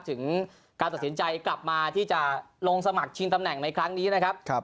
ถึงการตัดสินใจกลับมาที่จะลงสมัครชิงตำแหน่งในครั้งนี้นะครับ